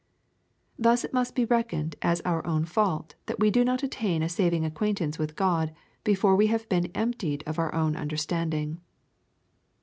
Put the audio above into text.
^ Thus it must be reckoned as our own fault, that we do not attain a saving acquaintance with God, before we have been emi)tied of our own understanding.